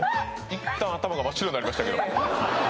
いったん頭が真っ白になりましたけど